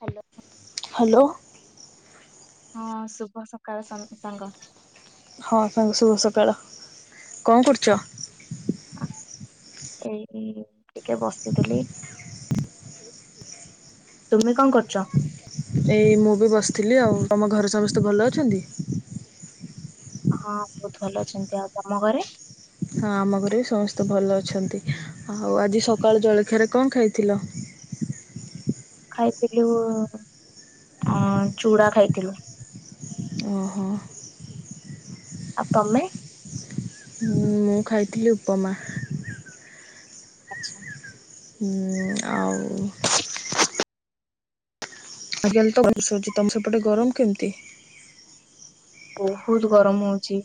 Hello. Hello. ହଁ ଶୁଭ ସକାଳ ସ ସାଙ୍ଗ। ହଁ ସାଙ୍ଗ ଶୁଭ ସକାଳ କଣ କରୁଛ? ଆ ଏଇ କିରି ଟିକେ ବସିଥିଲି। ତୁମେ କଁ କରୁଛ? ଏଇ ମୁଁ ବି ବସିଥିଲି ଆଉ ତମ ଘରେ ସମସ୍ତେ ଭଲ ଅଛନ୍ତି? ହଁ ବହୁତ ଭଲ ଅଛନ୍ତି ଆଉ ତମ ଘରେ? ହଁ ଆମ ଘରେ ସମସ୍ତେ ଭଲ ଅଛନ୍ତି ଆଉ ଆଜି ସକାଳ ଜଳଖିଆରେ କଣ ଖାଇଥିଲ? ଖାଇଥିଲୁ ଅ ଚୁଡା ଖାଇଥିଲୁ। ଅଁ ହଁ। ଆଉ ତମେ ମୁଁ ଖାଇଥିଲି ଉପମା। ଆଚ୍ଛା। ହୁଁ ଆଉ ଁ [unintelligible] ଆଜିକାଲି ତମଷଉଛି ତମ ସେପଟେ ଗରମ କେମିତି। ବହୁତ୍ ଗରମ ହଉଛିି।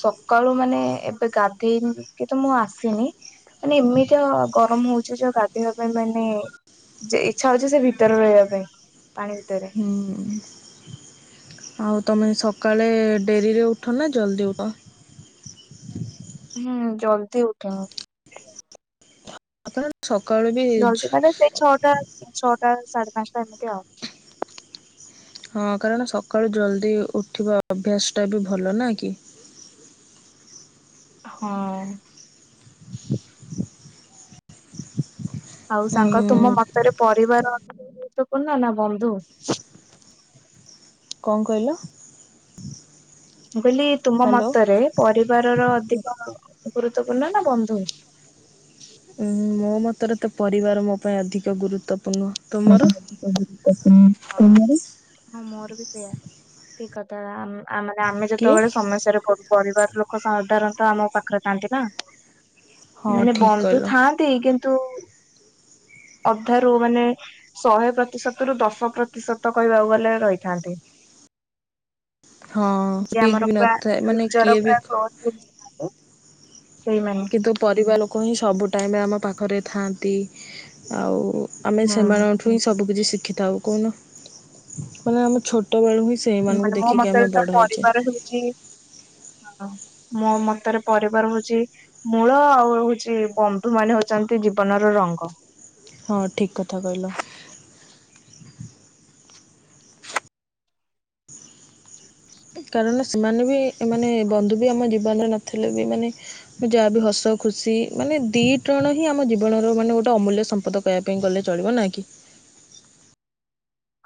ସକାଳୁ ମାନେ ଏବେ ଗାଧେଇି କିତ ମୁଁ ଆସିନି। ମାନେ ଏମିତିଆ ଗରମ ହଉଚି ଯେ ଗାଧେଇବା ପାଇଁ ମାନେ ଯେ ଇଚ୍ଛା ହଉଚି ସେ ଭିତରେ ରହିବା ପାଇଁ ପାଣି ଭିତରେ। ହୁଁ। ଆଉ ତମେ ସକାଳେ ଡେରିରେ ଉଠ ନା ଜଲ୍ଦି ଉଠ? ହୁଁ ଜଲ୍ଦି ଉଠେ ମୁଁ। ଆପଣ ଛକାଳୁ ବି ଜଲୂଦି କଇଲେ ସେଇ ଛଅଟା ଛଅଟା ସାଢେ ପାଞ୍ଚଟା ଏମିତି ଆଉ। ହଁ କାରଣ ସକାଳୁ ଜଲ୍ଦି ଉଠିବା ଅଭ୍ୟାସ୍ ଟା ବି ଭଲ ନା କି? ହଁ। ଆଉ ସାଙ୍ଗ ତୁମ ଉଁ ମତରେ ପରିବାରର ଅଧିକ ଗୁରୁତ୍ୱପୂର୍ଣ୍ଣ ନା ବନ୍ଧୁ? କଁ କଇଲ? ମୁଁ କଇଲି ତୁମ ମତରେ ପରିବାରର ଅଧିକ ଗୁରୁତ୍ୱପୂର୍ଣ ନା ବନ୍ଧୁ? ଉଁ ମୋ ମତରେ ତ ପରିବାର ମୋ ପାଇଁ ଅଧିକ ଗୁରୁତ୍ୱପୂର୍ଣ୍ଣ। ତୁମର? ତୁମର? ହଁ ମୋର ବି ସେଇୟା ଠିକ୍ କଥା ଆମ୍ ଆମ ଚାଇନା ଆମେ କିଏ? ଯେତେବେଳେ ସମସ୍ୟାରେ ପଡୁ ପରିବାର ଲୋକ ସାଧାରଣତଃ ଆମ ପାଖରେ ଥାନ୍ତି ନା। ହଁ ମାନେ ଠିକ୍ ବନ୍ଧୁ କହିଲ ଥାଆନ୍ତି କିନ୍ତୁ ଅଧାରୁ ମାନେ ଶହେ ପ୍ରତିଶତ ରୁ ଦଶ ପ୍ରତିଶତ କହିବାକୁ ଗଲେ ରହିଥାନ୍ତି। ହଁ ଯିଏ ଠିକ୍ ଆମର ବି ପୁରା ନଥାଏ ମାନେ କିଏ ନିଜର ବି ପୁରା ହକ୍ ହେଇଥାନ୍ତି। [unintelligible] ସେଇମାନେେ। କିନ୍ତୁ ପରିବାର ଲୋକ ହିଁ ସବୁ ଟାଇମି ଆମ ପାଖରେ ଥାଆନ୍ତି। ଆଉ ଆମେ ହୁଁ। ସେମାନଙ୍କଠୁ ହିଁ ସବୁ କିିଛି ଶିଖିଥାଉ କହୁନ ମାନେ ଆମେ ଛୋଟବେେଳୁ ହିଁ ସିଖ୍ ଏମାନେ ମୋ ମତ ରେ ତ ପରିବାର ହେଉଚି ହଁ। ମୋ ମତରେ ପରିବାର ହଉଚି ମୂଳ। ଆଉ ହଉଚି ବନ୍ଧୁ ମାନେ ହଉଚନ୍ତି ଜୀବନର ରଙ୍ଗ। ହଁ ଠିକ୍ କଥା କହିଲ। କାରଣ ସେମାନେ ବି ଏ ମାନେ ବନ୍ଧୁ ବି ଆମ ଜୀବନରେ ନଥିଲେ ବି ମାନେ ଯାହା ବିି ହସ ଖୁସି ମାନେ ଦୁଇ ଟୋଣ ହିଁ ଆମ ଜୀବନର ମାନେ ଗୋଟେ ଅମୂଲ୍ୟ ସମ୍ପଦ କହିଆ ପାଇଁ ଗଲେ ଚଳିବ ନା କି?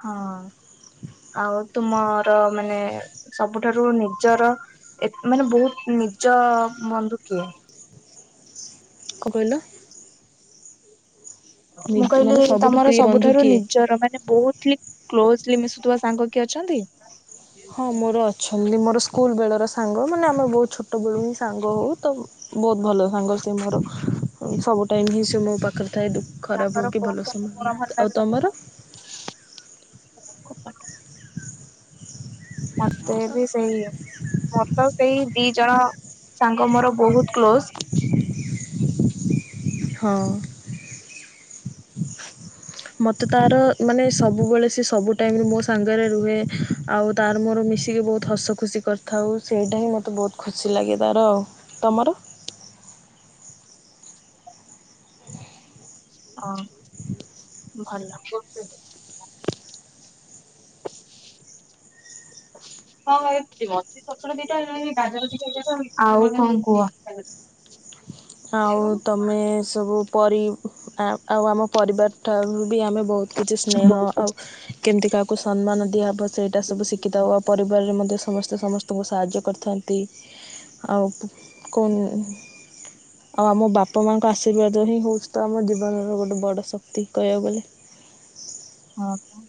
ହଁ। ଆଉ ତୁମର ମାନେ ସବୁଠାରୁ ନିଜର ଏତ୍ ମାନେ ବହୁତ୍ ନିଜ ବନ୍ଧୁ କିଏ? କଁ କଇଲ? ମୁଁ ନିଜ ମାନେ କହିଲି ସବୁଠୁ ତମର ପ୍ରିୟ ବନ୍ଧୁ ସବୁଠାରୁ କିଏ? ନିଜର ମାନେ ବହୁତ୍ ଥ୍ଲି କ୍ଲୋଜ୍ଲି ମିଶୁଥିବା ସାଙ୍ଗ କିଏ ଅଛନ୍ତି? ହଁ ମୋର ଅଛନ୍ତି ମୋର ସ୍କୁଲ ବେଳର ସାଙ୍ଗ ମାନେ ଆମେ ବହୁତ୍ ଛୋଟ ବେଳୁ ହିଁ ସାଙ୍ଗ ହଉ ତ ବହୁତ୍ ଭଲ ସାଙ୍ଗ ସିଏ ମୋର ସବୁ ଟାଇମ୍ ହିଁ ସିଏ ମୋ ପାଖରେ ଥାଏ। ଖରାପ ତାଙ୍କର ହେଉ କି କୋଉ ଭଲ ସବୁ ସମୟ ଗୁଣ ହେଉ, ଭଲ ଲାଗେ ଆଉ ତମକୁ? ତମର? ମତେ ବି ସେଇ। ମୋର ତ ସେଇ ଦି ଜଣ ସାଙ୍ଗ ମୋର ବହୁତ୍ କ୍ଲୋଜ୍। ହଁ। ମତେ ତାର ମାନେ ସବୁବେଳେ ସେ ସବୁ ଟାଇମ୍ ରେ ମୋ ସାଙ୍ଗରେ ରୁହେ ଆଉ ତାର ମୋର ମିଶିକି ବହୁତ୍ ହସ ଖୁସି କରିଥାଉ ସେଇଟା ହିଁ ମତେ ବହୁତ୍ ଖୁସି ଲାଗେ ତାର ଆଉ। ତମର? ଅଁ। ଭଲ [unintelligible] ହଁ ଏଇଠି ଥିବ। ଆଉ କଣ କୁହ? ଆଉ ତମେ ସବୁ ପରି ଆଉ ଆମ ପରିବାର ଠାରୁ ବି ଆମେ ବହୁତ୍ କିଛି ସ୍ନେହ ହଁ ପା। ଆଉ କେମିତି କାହାକୁ ସମ୍ମାନ ଦିଆହବ ସେଇଟା ସବୁ ଶିକିଥାଉ। ଆଉ ପରିବାରରେ ମଧ୍ୟ ସମସ୍ତେ ସମସ୍ତେ ଙ୍କୁ ସାହାଯ୍ୟ କରିଥାନ୍ତି। ଆଉ [unintelligible] ଆଉ ଆମ ବାପା ମାଆଙ୍କ ଆଶୀର୍ବାଦ ହିଁ ହଉଚି ତ ଆମ ଜୀବନର ଗୋଟେ ବଡ଼ ଶକ୍ତି କହିବାକୁ ଗଲେ। ହଁ ହଁ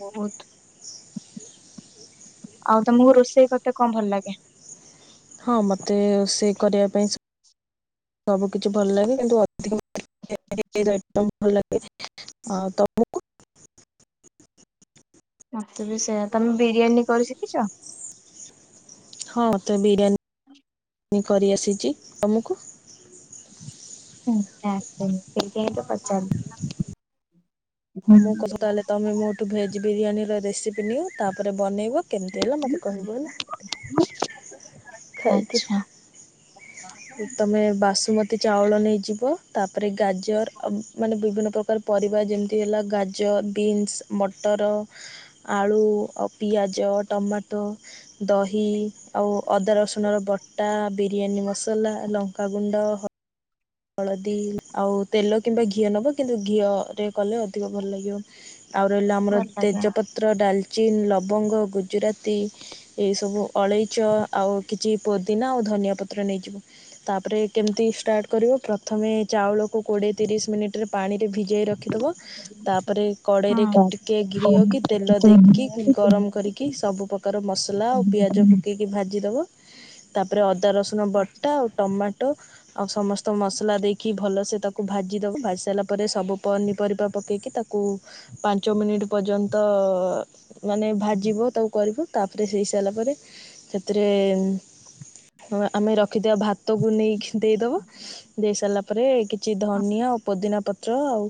ବହୁତ୍। ଆଉ ତମକୁ ରୋଷେଇ କରତେ କଣ ଭଲ ଲାଗେ? ହଁ ମତେ ରୋଷଇ କରିବା ପାଇଁ ସବୁ କିଛି ଭଲ ଲାଗେ। କିନ୍ତୁ ଅଧିକ। [unintelligible] ଭଲ ଲାଗେ। ଆ ତମକୁ? ମତେ ବି ସେଇୟା। ତମେ ବିରିୟାନୀ କରି ଶିଖିଚ? ହଁ। ମତେ ବିରିୟାନୀ କରିଆସିଚି। ତମକୁ? ମତେ ଆସିନି। ସେଇଥିପାଇଁ ତ ପଚାରିଲି। ହଁ ମୁଁ [unintelligible] ହେଲେ ତମେ ମୋଠୁ ଭେଜ ବିରିୟାନୀ ର ରେସିପି ନିଅ ତାପରେ ବନେଇବ। କେମିତି ହେଲା ମତେ କହିବ ହେଲା ଖାଇକି। ଆଚ୍ଛା ତମେ ବାସୁମତୀ ଚାଉଳ ନେଇଯିବ। ତାପରେ ଗାଜର ମାନେ ବିଭିନ୍ନ ପ୍ରକାର ପରିବା ଯେମିତି ହେଲା ଗାଜର ବିନ୍ସି, ମଟର ଆଳୁ ଆଉ ପିଆଜ ଟମାଟୋ ଦହି ଆଉ ଅଦା ରସୁଣର ବଟା ବିରିୟାନୀ ମସଲା ଲଙ୍କାଗୁଣ୍ଡ ହ ହଳଦୀ ଆଉ ତେଲ କିମ୍ବା ଘିଅ ନେବ। କିନ୍ତୁ ଘିଅରେ କଲେ ଅଧିକ ଭଲ ଲାଗିବ। ଆଉ ରହିଲା ଆମର ଭଲ ଲାଗେ ତେଜପତ୍ର, ଡାଲଚିନ୍, ଲବଙ୍ଗ ଗୁଜୁରାତି ଏଇ ସବୁ ଅଳେଇଚ ଆଉ କିଛି ପୋଦିନା ଆଉ ଧନିଆ ପତ୍ର ନେଇଯିବ। ତାପରେ କେମିତି ଷ୍ଟାର୍ଟ କରିବ, ପ୍ରଥମେ ଚାଉଳକୁ କୋଡିଏ ତିରିଶି ମିନିଟ୍ ରେ ପାଣିରେ ଭିଜାଇ ରଖିଦେବ। ତାପରେ କଡେଇ ରେ ହୁଁ। ଟିକେ ଘିଅ କି ତେଲ ଦେଇକି ଗରମ କରିକି ସବୁ ପ ପ୍ରକାର ମସଲା ଆଉ ପିଆଜ ପକେଇ କି ଭାଜି ଦବ। ତାପରେ ଅଦା ରସୁଣ ବଟା ଆଉ ଟମାଟୋ ଆଉ ସମସ୍ ସ୍ତ ମସଲା ଦେଇକି ଭଲସେ ତାକୁ ଭାଜିଦବ। ଭାଜି ସାରିଲା ପରେ ସବୁ ପନିପରିବା ପକେଇକି ତାକୁ ପାଞ୍ଚ ମିନିଟି ପର୍ଯ୍ୟନ୍ତ ମାନେ ଭାଜିବ ତାକୁ କରିବ, ତାପରେ ହେଇସାରିଲା ପରେ ସେଥିରେ ହଁ ଆମେ ରଖିଥିବା ଭାତକୁ ନେଇକି ଦେଇଦେବ। ଦେଇ ସାରିଲା ପରେ କିଛି ଧନିଆ ଆଉ ପୋଦିନା ପତ୍ର ଆଉ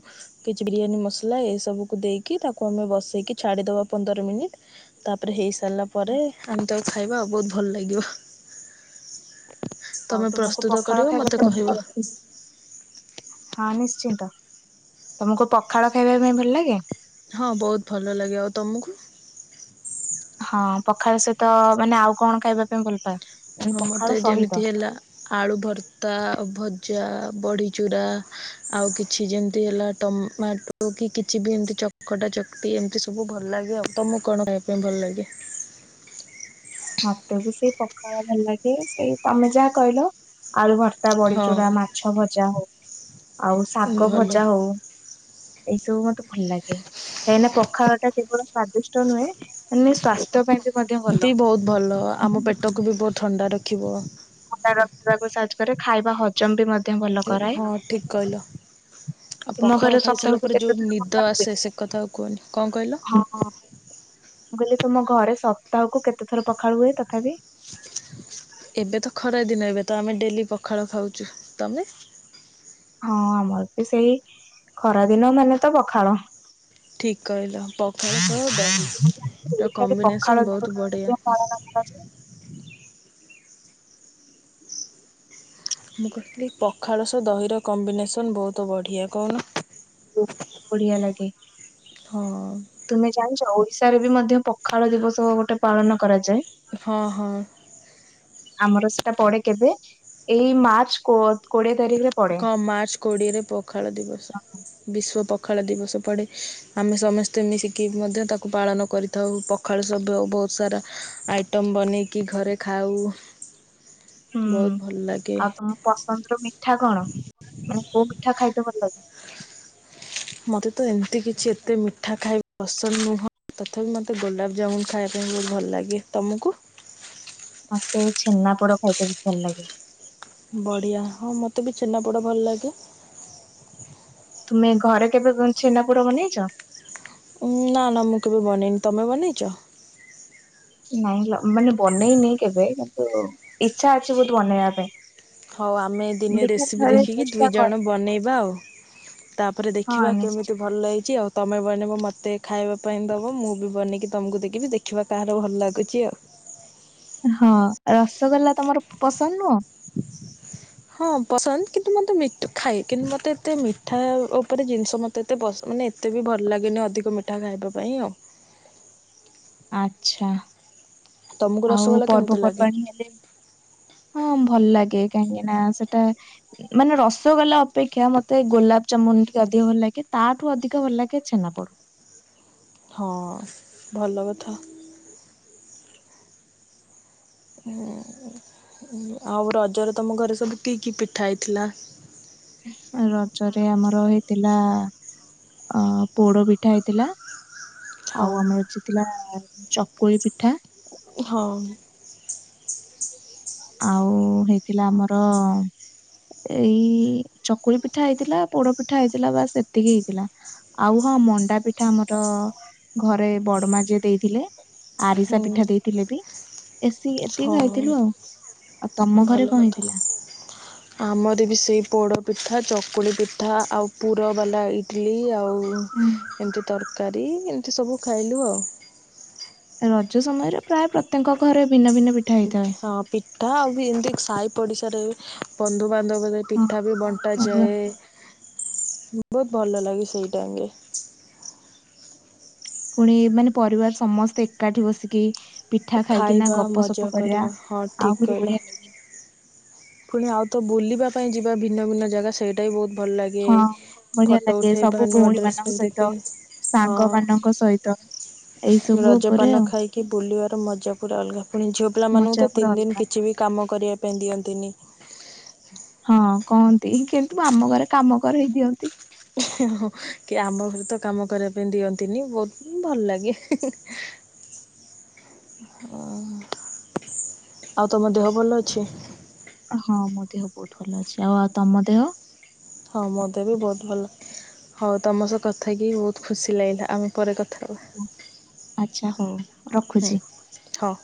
କିଛି ବିରିୟାନୀ ମସଲା ଏ ସବୁକୁ ଦେଇକି ତାକୁ ଆମେ ବସେଇକି ଛାଡିଦବା ପନ୍ଦର ମିନିଟି। ତାପରେ ହେଇ ସାରିଲା ପରେ ଆମେ ତାକୁ ଖାଇବା ବହୁତ ଭଲ ଲାଗିବ। ଆଉ ତମେ ତୁମକୁ ପ୍ରସ୍ତୁତ ପଖାଳ କରିବ ମୋତେ ଖାଇବାକୁ କହିବ [unintelligible] ହଁ ନିଶ୍ଚିନ୍ତ। ତମକୁ ପଖାଳ ଖାଇବା ପାଇଁ ଭଲ ଲାଗେ? ହଁ ବହୁତ ଭଲ ଲାଗେ। ଆଉ ତମକୁ? ହଁ। ପଖାଳ ସହିତ ମାନେ ଆଉ କଣ ଖାଇବା ପାଇଁ ଭଲ ପାଓ? ହଁ ମତେ ଯେମିତି ହେଲା ଆଳୁ ଭର୍ତ୍ତା, ଭଜା, ବଡି ଚୂୁରା ଆଉ କିଛି ଯେମିତି ହେଲା ଟମାଟୋ କି କିଛି ଭେଣ୍ଡି ଚକଟା ଚକଟି ଏମିତି ସବୁ ଭଲ ଲାଗେ ଆଉ। ତମକୁ କଣ ଖାଇବା ପାଇଁ ଭଲ ଲାଗେ? ମତେ ବି ସେଇ ପଖାଳ ଭଲ ଲାଗେ ସେଇ ତମେ ଯାହା କହିଲ ଆଳୁ ଭର୍ ତା ହଁ ବଡ଼ିଚୂୁରା, ମାଛ ଭଜା, ହଉ ଆଉ ଶାଗ ଭଲ ଭଜା ହଉ। ଏଇସବୁ ମତେ ଭଲ ଲାଗେ। କାହିଁକିନା ପଖାଳ ଟା କେବଳ ସ୍ଵାଦିଷ୍ଟ ନୁହେଁ, ସ୍ଵାସ୍ଥ୍ୟ ପାଇଁ ବି ମଧ୍ୟ ବି ଭଲ। ବହୁତ ଭଲ ଆମ ପେଟକୁ ବି ବହୁତ ଥଣ୍ଡା ରଖିବ। ଥଣ୍ଡା ରଖିବାକୁ ସାହାଯ୍ୟ କରେ, ଖାଇବା ହଜମ ବି ମଧ୍ୟ ଭଲ କରାଏ। ହଁ ଠିକ କହିଲ। ଆଉ ତୁମ ପଖାଳ ଘରେ ଖାଇସାରିଲା ସପ୍ତାହକୁ ପରେ କେତେ ଯଉ ଥର ନିଦ ପଖାଳ ହୁଏ? ଆସେ ସେ କଥା ଆଉ କୁହନି, କଣ କହିଲ? ମୁ କହିଲି ତମ ଘରେ ସପ୍ତାହକୁ କେତେ ଥର ପଖାଳ ହୁଏ ତଥାପି? ଏବେ ତ ଖରାଦିନ ଏବେ ତ ଆମେ ଡେଲି ପଖାଳ ଖାଉଚୁ, ତମେ? ହଁ ଆମର ବି ସେଇ ଖରାଦିନ ମାନେ ତ ପଖାଳ। ଠିକ୍ କହିଲ ପଖାଳ ସହ ଓଡିଶାରେ ପଖାଳ କମ୍ବିନେସନ୍ ଦିବସ ବହୁତ ବଢ଼ିଆ। [unintelligible] ମୁଁ କହିଲି ପଖାଳ ସହ ଦହିର କମ୍ବିନେସନ ବହୁତୁ ବଢ଼ିଆ କହୁନୁ। ହୁଁ ବଢିଆ ଲାଗେ। ହ। ତୁମେ ଜାଣିଚ ଓଡିଶାରେ ବି ମଧ୍ୟ ପଖାଳ ଦିବସ ଗୋଟେ ପାଳନ କରାଯାଏ। ହଁ ହଁ। ଆମର ସେଟା ପଡେ କେବେ, ଏଇ ମାର୍ଚ୍ଚ କୋ କୋଡିଏ ତାରିଖରେ ପଡେ। ହଁ ମାର୍ଚ୍ଚ କୋଡ଼ିଏରେ ପଖାଳ ଦିବସ। ବିଶ୍ଵ ପଖାଳ ଦିବସ ପଡ଼େ, ଆମେ ସମସ୍ତେ ମିଶିକିରି ମଧ୍ୟ ତାକୁ ପାଳନ କରି ଥାଉ ପଖାଳ ସବୁ ବହୁତ ସାରା ଆଇଟମ୍ ବନେଇକି ଘରେ ଖାଉ। [inaudible] ବହୁତ ଭଲ ଲାଗେ। ପସନ୍ଦ ର ମିଠା କଣ ମାନେ କୋଉ ମିଠା ଖାଇତେ ଭଲ ଲାଗେ? ମୋତେ ତ ଏମିତି କିଛି ଏତେ ମିଠା ଖାଇବା ପସନ୍ଦ ନୁହେଁ ତଥାପି ମୋତେ ଗୋଲାପଜାମୁନ ଖାଇବା ପାଇଁ ବହୁତ ଭଲ ଲାଗେ, ତମକୁ? ମତେ ଛେନା ପୋଡ ଖାଇତେ ବି ଭଲ ଲାଗେ। ବଢିଆ ହଁ ମତେ ବି ଛେନାପୋଡା ଭଲ ଲାଗେ। ତୁମେ ଘରେ କେବେ ଛେନା ପୋଡ ବନେଇଛ? ନା ନା ମୁଁ କେବେ ବନେଇନି, ତମେ ବନେଇଛ? ନାଇଁ ମାନେ ବନେଇନି କେବେ କିନ୍ତୁ ଇଛା ଅଛି ବହୁତ ବନେଇବା ପାଇଁ। ହଉ ଆମେ ଦିନେ ଦେଖିବା ରେସିପି ଥରେ ଦେଖିକି ଚେଷ୍ଟା କର ଦୁଇଜଣ ବନେଇବା ଆଉ। ତାପରେ ହଁ ଦେଖିବା ନିଶ୍ଚୟ କେମିତି ଭଲ ହେଇଛି ଆଉ ତମେ ବନେଇବ ମୋତେ ଖାଇବା ପାଇଁ ଦେବି ମୁଁ ବି ବନେଇକି ତମକୁ ଦେକି ଦେ ଦେଖିବା କାହାର ଭଲ ଲାଗୁଛି ଆଉ। ହଁ ରସଗୋଲା ତମର ପସନ୍ଦ ନୁହଁ? ହଁ ପସନ୍ଦ କିନ୍ତୁ ମୋତେ ମିଠ ଖାଏ କିନ୍ତୁ ମୋତେ ଏତେ ମିଠା ଉପରେ ଜିନିଷ ମୋତେ ତ ଏତେ ବସ ମାନେ ଏତେ ବି ଭଲ ଲାଗେନି ଅଧିକ ମିଠା ଖାଇବା ପାଇଁ ଆଉ। ଆଛା ତମକୁ ଆଉ ରସଗୋଲା କେମିତି ଲାଗେ ପର୍ବପର୍ବାଣି ହେଲେ ହଁ ଭଲ ଲାଗେ କାହିଁକି ନା ସେଟା ମାନେ ରସ ଗୋଲା ଅପେକ୍ଷା ମତେ ଗୋଲାପଜାମୁନ ଟିକେ ଅଧିକ ଭଲ ଲାଗେ ତାଠୁ ଅଧିକ ଭଲ ଲାଗେ ଛେନା ପୋଡ଼। ହଁ ଭଲ କଥା। ହୁଁ ଆଉ ରଜର ତମ ଘରେ ସବୁ କି କି ପିଠା ହେଇଥିଲା? ରଜରେ ଆମର ହେଇଥିଲା ଅ ପୋଡ ପିଠା ହେଇଥିଲା। ଆଉ ହଁ ଆମରଛି ଥିଲା ଚକୁଳି ପିଠା। ହୋଉ। ଆଉ ହେଇଥିଲା ଆମର ଏଇ ଚକୁଳି ପିଠା ହେଇଥିଲା ପୋଡ ପିଠା ହେଇଥିଲା ବା ସେତିକି ହେଇଥିଲା। ଆଉ ହଁ ମଣ୍ଡା ପିଠା ଆମର ଘରେ ବଡମା ଯିଏ ଦେଇଥିଲେ। ଆରିସା ହୁଁ ପିଠା ଦେଇଥିଲେ ବି ଏସି ଏତିକି ହଁ ଖାଇଥିଲୁ ଆଉ। ଆଉ ତମ ଘରେ ଭଲ କଣ କଥା। ହେଇଥିଲା? ଆମର ବି ସେଇ ପୋଡ଼ପିଠା ଚକୁଳି ପିଠା ଆଉ ପୁର ବାଲା ଇଟିଲି ଆଉ ଉ ହୁଁ। ଏମିତି ତରକାରୀ ଏମିତି ସବୁ ଖାଇଲୁ ଆଉ। ରଜ ସମୟରେ ପ୍ରାୟ ପ୍ରତ୍ୟେକ ଘରେ ଭିନ୍ନ ଭିନ୍ନ ପିଠା ହେଇଥାଏ। ହଁ ପିଠା ଆଉ ବି ଏମିତି ସାହି ପଡିଶାରେ ବନ୍ଧୁବାନ୍ଧବରେ ହଁ ପିଠା ବି ବନ୍ଧୁ ବଣ୍ଟାଯାଏ ବହୁତ ଭଲ ଲାଗେ ସେଇ ଟାଇମି ରେ। ପୁଣି ମାନେ ପରିବାର ସମସ୍ତେ ଏକାଠି ବସିକି ପିଠା ଖାଇକିନା ଖାଇବା ଗପ ସପ ମଜା କରିବା ହଁ ଆଉ ଠିକ୍ ପରି କହିଲ। ବଢିଆ ପୁଣି ଆଉ ତ ବୁଲିବା ପାଇଁ ଯିବା ଭିନ୍ନ ଭିନ୍ନ ଜାଗା ସେଇ ଟାବି ବି ବହୁତ ଭଲ ଲାଗେ ହଁ ବଢିଆ ଫଟୋ ଲାଗେ ସବୁ ଉଠେଇବା ନୂଆ ଭଉଣୀ ଡ୍ରେସ୍ ମାନଙ୍କ ସହିତ ପିନ୍ଧିକି। ହଁ ସାଙ୍ଗ ମାନଙ୍କ ସହିତ ଏଇ ସବୁ ଉପରେ ଆଉ। କି ବୁଲିବାର ମଜା ପୁରା ଅଲଗା ପୁଣି ଝିଅ ପିଲାମାନଙ୍କୁ ମଜା ତ ପୁରା ତିନି ଦିନ ଅଲଗା କିଛି ବି କାମ କରିବା ପାଇଁ ଦିଅନ୍ତିନି। ହଁ କହନ୍ତି କିନ୍ତୁ ଆମ ଘରେ କାମ କରେଇ ଦିଅନ୍ତି। କି ଆମ ଘରେ ତ କାମ କରିବା ପାଇଁ ଦିଅନ୍ତିନି ବହୁତ ଭଲ ଲାଗେ। ଓ ଆଉ ତମ ଦେହ ଭଲ ଅଛି? ହଁ ମୋ ଦେହ ବହୁତ ଭଲ ଅଛି ଆଉ ଆଉ ତମ ଦେହ? ହଁ ମୋ ଦେହ ବି ବହୁତ ଭଲ। ହଉ ତମ ସହ କଥା କି ବହୁତ ଖୁସି ଲାଗିଲା ଆମେ ପରେ କଥା ହେବା। ଆଛା ହଉ। ହୁଁ ରଖୁଛି। ହଉ।